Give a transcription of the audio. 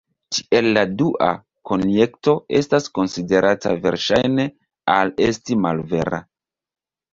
Tiel la dua konjekto estas konsiderata verŝajne al esti malvera.